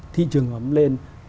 thị trường ấm lên